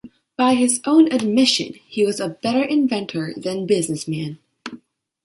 By his own admission, he was a better inventor than businessman.